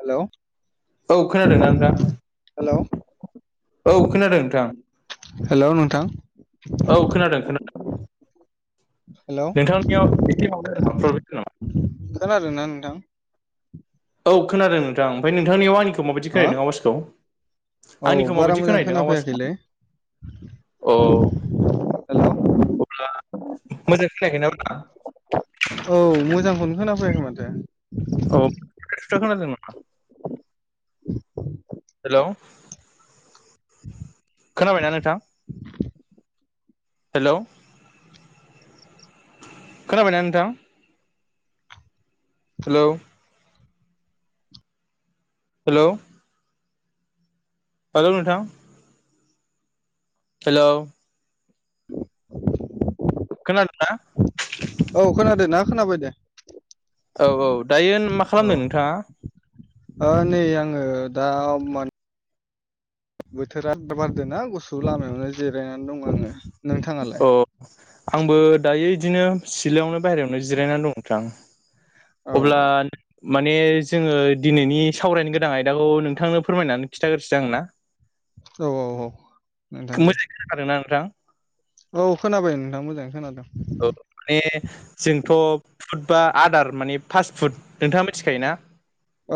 Hello औ खोनादोंना नोंथां। हेलौ औ खोनादों नोंथां हेल' नोंथां। औ खोनादों खोनादों। हेल' नोंथांनियाव एसे माबा जादों नामा प्रब्लेम जादों खोनादों ना नोंथां। औ खोनादों नोंथां ओमफ्राय नोंथांनियाव आंनि। खौ मायादै हा खोनादों आवासखौ औ आंनिखौ बारा माबायदि मोजां खोनादों आवासखौ? खोनाफैयाखैलै औ हेलौ अब्ला मोजां खनायाखै ना होमबा? औ मोजांखौनो खोना फैयाखै माथो। औ [unintelligible] हेल' खोनाबायना नोंथां हेलौ खोनाबायना नोंथां हेलौ हेलौ हेलौ नोंथां हेलौ खोनादोंना? औ खोनादों ना खोनाबाय दे। औ औ दायो मा औ खालामदों नोंथाङा? ओ नै आङो दा मोन बोथोरा बारदो ना गुसु लामायावनो जिरायनानै दं आङो। नोंथाङालाय अ आंबो दायो बिदिनो सिलायावनो बायहेरायावनो जिरायनानै दं नोथां औ अब्ला माने जोङो दिनैनि सावरायनो गोनां आयदाखौ नोंथांनो फोरमायनानै खिन्थाग्रोसो दां ना। औ औ औ। नोंथां दे मोजां खोनादोंना नोंथां? औ खोनाबाय नोंथां मोजाङै खोनादों। औ। माने जोंथ' फुड बा आदार माने फास्ट फुड नोंथाङा मिथिखायो ना।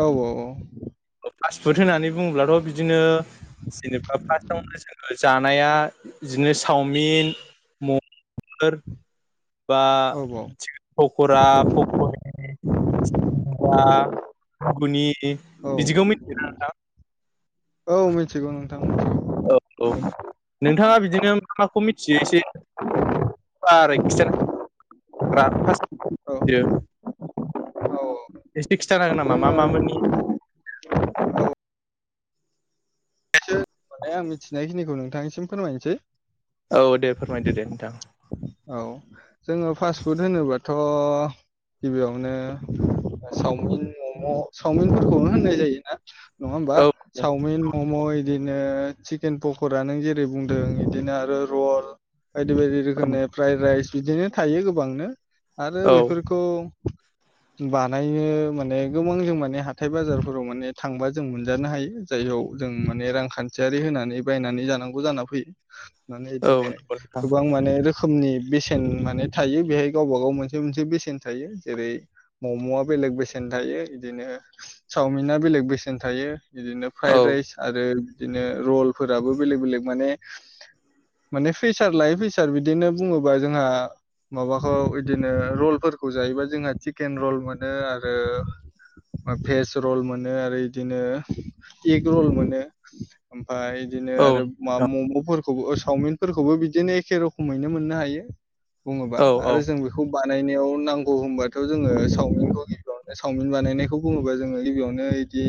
औ औ औ। फ्लासत पुट होननानै बुङोब्लाथ' बिदिनो जेनेबा फार्स्टआवनो जोङो जानाया बिदिनो चावमिन म फोर बा औ पकरा फखरि बाह खुगुनि औ। औ मिथिगौ नोंथां। औ औ नोंथाङा बिदिनो मा माखौ मिथियो एसे औ [unintelligible] औ एसे खिनथानो हागोन नामा मा जोङो मामोननि माने आं मिथिनायखिनिखौ नोंथांनिसिम फोरमायनोसै। औ दे फोरमायदो दे नोंथां। औ जोङो फास्ट फुद होनोबाथ' [unintelligible] गिबियावनो सावमिन मम' सावमिनफोरखौनो होननाय जायोना। नङा होमबा, औ औ चावमिन, मम' इदिनो चिकेन पकरा नों जेरै बुंदों इदिनो आरो रल बायदि बायदि रोखोमनि फ्राइड राइस बिदिनो थायो गोबांनो आरो बेफोरखौ बानायनो माने गोबां जों माने हाथाय बाजारफोराव माने थांबा जों मोनजानो हायो। जाययाव जों माने रांखान्थियारि होनानै बायनानै जानांगौ जानाना फैयो। माने औ बिदिनो नंगौ नोंथां गोबां माने रोखोमनि बेसेन माने थायो बेहाय गावबा गाव मोनसे मोनसे बेसेन थायो जेरै मम'आ बे लेग बेसेन थायो बिदिनो चावमिना बेलेक बेसेन थायो। बिदिनो औ फ्राइद राइस आरो बिदिनो रलफोराबो बेलेक बेलेग माने माने फैसार लायो फैसार बिदिनो बुङोबा जोंहा माबाखौ बिदिनो रलफोरखौ जायोबा जोंहा चिकेन रल मोनो आरो फेस रल मोनो आरो बिदिनो एग रल मोनो उम फ्राय बिदिनो औ आरो नोंथां मम'फोरखौबो सावमिनफोरखौबो बिदिनो एखे रखम खमैनो मोननो हायो बुङोबा औ औ आरो जों बेखौ बानायनायाव नांगौ होनबाथ' जोङो सावमिनखौ गिबियावनो चावमिन बानायनायखौ बुङोबा जोङो गिबियावनो बिदि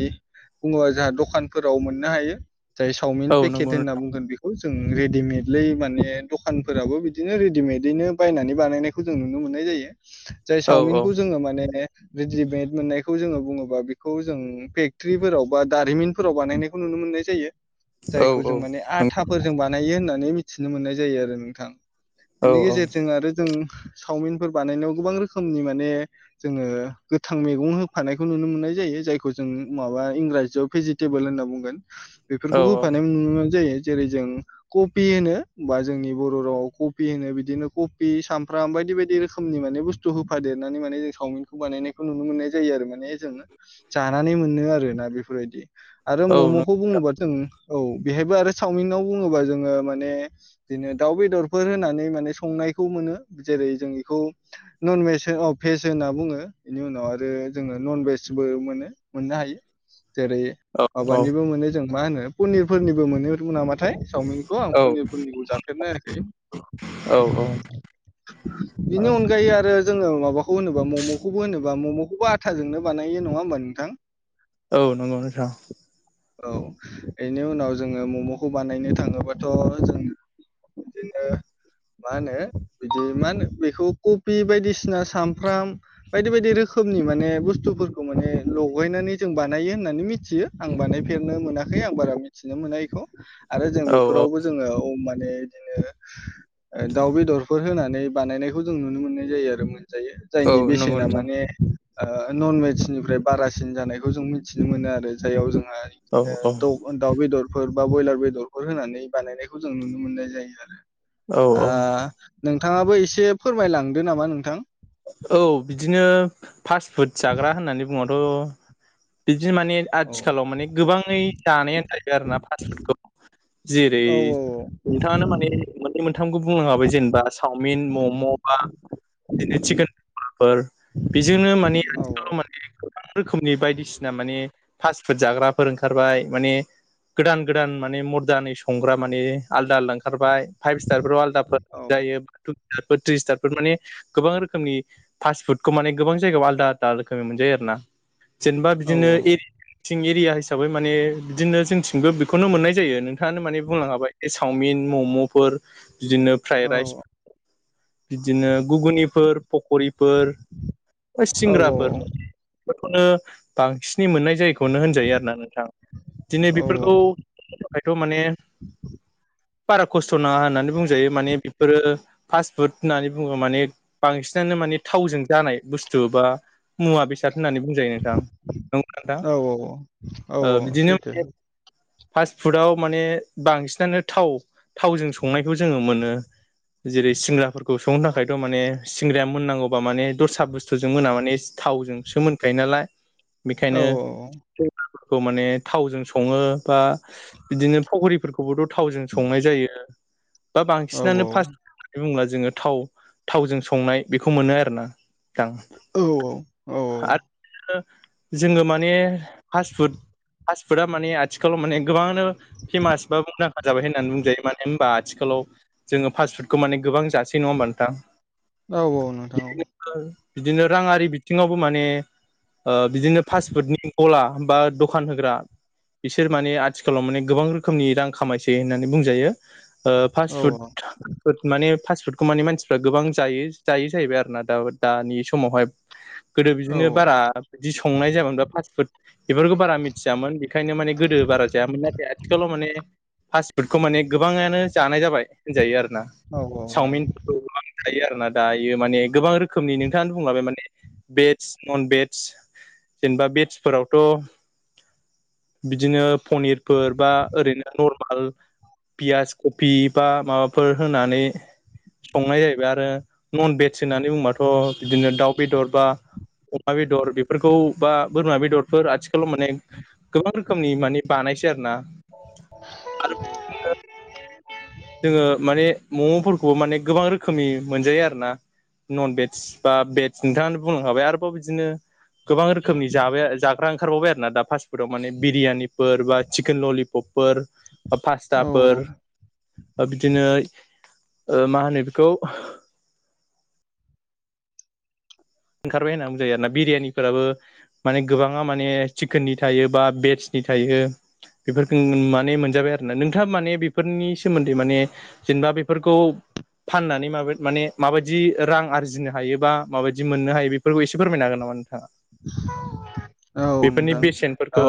बुङो जाहा दखानफोराव मोननो हायो। जाय सावमिन औ पेकेट नंगौ होनना नोंथां बुंगोन बेखौ जों रेडिमेदलै माने दख दखानफोराबो बिदिनो रेडिमेदैनो बायनानै बानायनायखौ जों नुनो मोननाय जायो। जाय औ औ सावमिनखौ जोङो माने रेडिमेद मोननायखौ जोङो बुङोबा बेखौ जों फेकट्रिफोराव बा दारिमिनफोराव बानायनायखौ नुनो मोनो मोननाय जायो औ जायखौ औ जों माने आथाफोरजों बानायो होननानै मिथिनो मोननाय जायो आरो नोंथां औ बेनि गेजेरजों आरो जों सावमिनफोर बानायनायाव गोबां रोखोमनि माने जोङो गोथां मैगं होफानायखौ नुनो मोननाय जायो जायखौ जों माबा इंराजियाव भेजिटेबोल होनना बुंगोन बेफोरखौ होफानाय नुनो मोननाय जायो जेरै जों कबि होनो बा जोंनि बर' रावआव खफि होनो बिदिनो खफि सामफ्राम बायदि बायदि रोखोमनि माने बुस्थु होफादेरनानै माने जों सावमिनखौ बानायनायखौ नुनो मोननाय जायो आरो माने जों जानानै मोनो आरोना बेफोरबायदि आरो मम'खौ बुङोबा जों औ बेहायबो आरो चावमिनाव बुङोबा जोङो माने बिदिनो दाउ बेदरफोर होनानै माने संनायखौ मोनो जेरै जों बेखौ नन भेस औ फेस होनना बुङो बेनि उनाव आरो जोङो नन भेजबो मोनो मोननो हायो जेरै माबानिबो मोनो जों मा होनो पनिरफोरनिबो मोनो रुनामाथ ओमफ्राय चावमिनखौ आं पनिरफोरनिखौ जाफेर हायाखै औ औ बेनि अनगायै आरो जोङो माबाखौ होनोबा मम'खौबो होनोबा मम'खौबो आथाजोंनो बानायो नङा होमबा नोंथां? औ नंगौ नोंथां औ एनि उनाव जोङो मम'खौ बानायनो थाङोबाथ' जों बिदिनो मा होनो बिदि मा होनो बेखौ कफि बायदिसिना सामब्राम बायदि बायदि रोखोम रोखोमनि माने बुस्थुफोरखौ माने लगायनानै जों बानायो होननानै मिथियो आं बानायफेरनो मोनाखै आं बारा मिथिनो मोना बेखौ आरो जों औ औ बेफोरावबो जोङो अ माने बिदिनो दाउ बेदरफोर होनानै बानायनायखौ जों नुनो मोननाय जायो आरो जायो औ जायनि नंगौ बेसेना नोंथां माने ओ ननभेजनिफ्राय बारासिन जानायखौ जों मिथिनो मोनो आरो जाययाव जों औ औ द दाव बेदरफोर बा ब्रयलार बेदरफोर होनानै बानायनायखौ जों नुनो मोननाय जायो औ ओ औ नोंथाङाबो एसे फोरमायलांदो नामा नोंथां औ बिदिनो फास्ट फुड जाग्रा होननानै बुंबाथ बिदि माने औ आथिखालाव माने गोबाङै जानायानो जाहायो आरोना फास्ट फुडखौ जेरै औ नोंथाङानो माने मोननै मोनथामखौ बुंलांखाबाय जेनबा चावमिन मम' बा चिकेन पकराफोर बेजोंनो माने औ आथिखालाव माने गोबां रोखोमनि बायदिसिना माने फास्ट फुड जाग्राफोर ओंखारबाय माने गोदान गोदान माने गोदानैै संग्रा माने आलदा आलदा ओंखारबाय फाइभ स्टारफोराव आलदाफोर औ जायो थ्रि स्टार फोर माने गोबां रोखोमनि फास्ट फुडखौ माने गोबां जायगायाव आलदा आलदा रोखोमै मोनजायो आरो ना जेनबा औ बिदिनो एरिथिं एरिया हिसाबै माने बिदिनो जोंनिथिंबो बेखौनो मोननाय जायो नोंथाङानो माने बुंलां खाबाय जे चावमिन मम'फोर बिदिनो औ फ्राइड राइस बिदिनो घुगुनिफोर फखरिफोर बा औ सिंग्राफोर खौनो बांसिन नै मोननाय जायोखौनो होनजायो आरोना नोंथां। दिनै बेफोरखौ माने बारा खस्थ' नाङा होननानै बुंजायो। माने बेफोरो फास्ट फुड होननानै बुङो माने बांसिनानो माने थावजों जानाय बुस्थु बा मुवा बेसाद। होननानै बुंजायो नोंथां नंगौ नोंथां औ औ ओ औ बिदिनो सैथो माने फास्ट फुडाव माने बांसिनानो थाव थावजों संनायखौ जोङो मोनो। जेरै सिंग्राफोरखौ संनो थाखायथ' माने सिंग्राया मोननांगौबा माने दस्रा बुस्थुजों मोना माने थावजोंसो मोनखायो नालाय। औ बेखायनो बेफोरखौ माने थावजों सङो। बा बिदिनो फख्रिफोरखौबोथ' थावजों संनाय जायो। बा औ बांसिनानो औ फासपुट होननानै बुङोब्ला जोङो थाव थावजों संनाय बेखौ मोनो आरो। औ औ। जोङो माने फासपुट फासपुट आ माने आथिखालाव गोबाङानो फेमास बा मुंदांखा जाबाय होननानै बुंजायो मानो होनबा आथिखाल आथिखालाव जोङो फास्ट फुडखौ माने गोबां जासै नङा होमबा नोंथां? औ औ नोंथां औ। बिदिनो राङारि बिथिङावबो माने बिदिनो फास फुडनि गला बा दखान होग्रा बिसोर माने आथिखालाव माने गोबां रोखोमनि रां खामायसै होननानै बुंजायो। फास्ट औ फुड फुद माने फास्टफुडखौ माने मानसिफ्रा गोबां जायो जायो जाहैबाय आरो ना दा दानि समावहाय। गोदो औ बिदिनो बारा बिदि संनाय जायामोन बा फास्ट फुद बेफोरखौ बारा मिथियामोन बेखायनो माने गोदो बारा जायामोन नथाय आथिखालाव माने फास्ट फुदखौ माने गोबाङानो जानाय जाबाय होनजायो आरो औ नोंथां चावमिनफोरखौ थायो आरो ना दायो माने गोबां रोखोमनि नोंथाङानो बुंलाबाय माने भेज नन भेेज जेनेबा भेजफोरावथ' बिदिनो पनिरफोर बा ओरैनो नर्माल पियास कफि बा माबाफोर होनानै संनाय जाहैबाय आरो नन भेज होननानै बुंबाथ' बिदिनो दाउ बेदर बा अमा बेदर बेफोरखौ बा बोरमा बेदरफोर आथिखालाव माने गोबां रोखोमनि मानिे बानायसै आरो ना आरो जोङो माने मम'फोरखौबो माने गोबां रोखोमनि मोनजायो आरोना। नन भेज बा भेज नोंथाङा बुंलां खाबाय आरोबाव बिदिनो गोबां रोखोमनि जाबाय ज ओंखारबावबाय आरो ना दा फास्ट फुदाव माने बिरियानिफोर बा चिकेन ललिपपफोर पासताफोर ओ बिदिनो मा होनो बेखौ? ओंखारबाय होनना बुजायो आरो ना बिरियानिफोराबो माने गोबाङा माने चिकेननि थायो बा भेेजनि थायो बेफोरखौ माने मोनजाबाय आरोना नोंथाङा माने बेफोरनि सोमोन्दै मान दा बेफोरखौ फाननानै माने माबायदि रां आरजिनो हायोबा माबायदि बिदि मोननो हायो बेफोरखौ एसे फोरमाय हागोन नामा नोंथाङा। औ बेफोरनि नोंथां बेसेनफोरखौ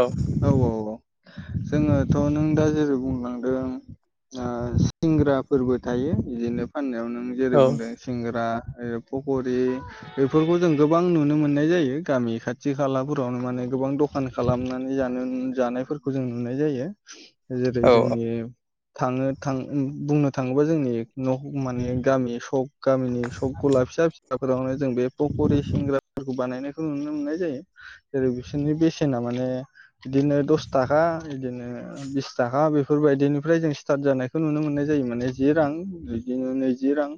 औ ओ औ औ औ जोङोथ' नों दा जेरै बुंलांदों सिंग्राफोरबो थायो बिदिनो फाननायावनो। नों जेरै औ बुंदों सिंग्रा फखरि बेफोरखौ जों गोबां नुनो मोननाय जायो गामि खाथि खालाफोरावनो माने गोबां दखान खालामनानै जानो जानाय फोरखौ जों नुनाय जायो जेरै औ जोंनि थाङो थाङो बुंनो थाङोबा जोंनि माने गामि सक गामिनि सक गला। फिसा फिसाफोरावनो जों बे फकरि फानग्राफोरखौ बानायनायखौ नुनो मोननाय जायो। जेरै बिसोरनि बेसेना माने बिदिनो दसे थाखा बिदिनो बिस थाखा बेफोरबायदिनिफ्राय जों स्टार्ट जानायखौ नुनो मोननाय जायो माने जि रां बिदिनो नैजि रां।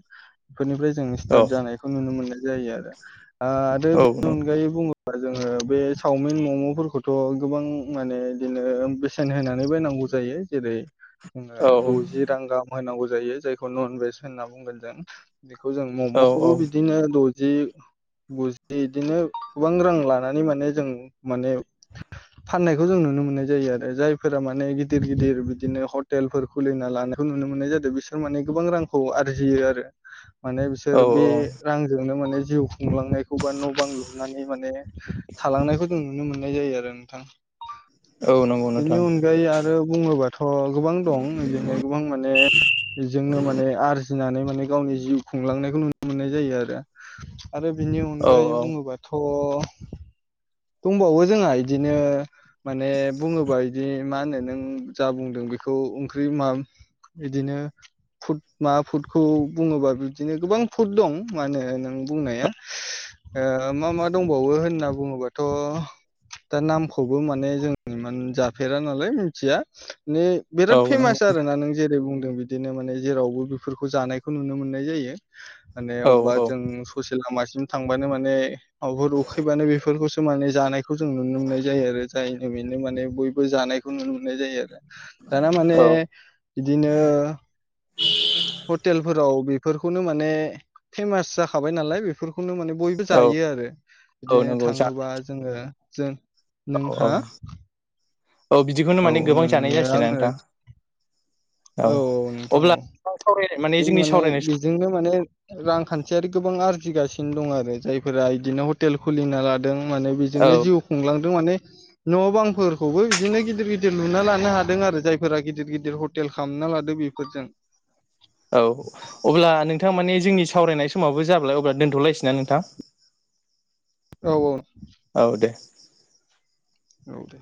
फोरनिफ्राय जों औ स्टार्ट जानायखौ नुनो मोननाय जायो आरो आरो औ बेनि नंगौ अनगायै बुङो जोङो बे चावमिन मम'फोरखौथ' गोबां माने बिदिनो बेसेन होनानै बायनांगौ। जायो जेरै जोङो औ द'जि रां गाहाम होनांगौ जायो जायखौ नन भेज होनना बुंगोन जों बेखौ जों औ मम'खौबो बिदिनो द'जि गुजि इदिनो गोबां रां लानानै माने जों माने फाननायखौ जों नुनो मोननाय जायो आरो जायफोरा माने गिदिर गिदिर बिदिनो हटेलफोर खुलिना लानायखौ नुनो मोननाय जादो बिसोर माने गोबां रांखौ आरजियो आरो माने औ बिसोर बे रांजोंनो माने जिउ खुलांनायखौ बा न' बां लुहुनानै माने थालांनायखौ जों नुनो मोननाय जायो आरो नोंथां औ नंगौ बिनि नोंथां अनगायै आरो बुङोबाथ' गोबां दं इदिनो गोबां माने बेजोंनो माने आरजिनानै मा ने गावनि जिउ खुंलांनायखौ नुनो मोननाय जायो आरो आरो बिनि औ अनगायै बुङोबाथ' बुंबावो जोंहा इदिनो माने बुङोबा इदि मा होनो नों जा बुंदों बेखौ ओंख्रि मा इदिनो फुद मा फुदखौ बुङोबा बिबदिनो गोबां फुद दं मा होनो नों बुंनाया ओ मा मा दंबावो होनना बुङोबाथ' दा नामखौबो माने जोंनि इमान जाफेरा नालाय मिथिया ने बिराद औ नंगौ फेमास आरो ना नों जेरै बुं दों बिदिनो माने जेरावबो बेफोरखौ जानायखौ नुनो मोननाय जायो औ होननायावबा जों ससे लामासिम थांबानो माने माबाफोर उखैबानो बेफोरखौसो माने जानायखौ जों नुनो मोननाय जायो आरो जाय [unintelligible] माने बयबो जानायखौ नुनो मोननाय जायो आरो दाना माने औ बिदिनो हटेलफोराव बेफोरखौनो माने फेमास जाखाबाय नालाय बेफोरखौ खौनो माने बयबो औ जायो आरो औ बिदिनो नंगौ जा थाङोबा जोङो जों औ औ नोंहा औ बिदिखौनो औ माने गोबां जानाय नोंनो जासै ना आङो नोंथां औ औ नोंथां अब्ला औ सावरायनाय जों जोंनि माने सावरायनाय बेजोंनो माने रांखान्थियारि गोबां आरजिगासिनो दं आरो जायफोरा इदिनो हटेल खुलिना ला दों माने औ बिजोंनो जिउ खुंलांदों माने न' बांफोरखौबो बिदिनो गिदिर गिदिर लुना लानो हादों आरो जायफोरा गिदिर गिदिर हटेल खामना ना लादों बेफोरजों औ अब्ला नोंथां माने जोंनि सावरायनाय समावबो जाब्लाय अब्ला दोनथ'लायसै ना नोंथां औ औ औ दे औ दे